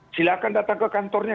silakan datang ke kantornya